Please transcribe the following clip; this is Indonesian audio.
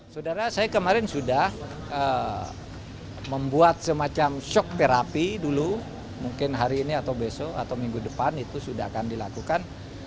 saudara saya kemarin sudah membuat semacam shock therapy dulu mungkin hari ini atau besok atau minggu depan itu sudah akan dilakukan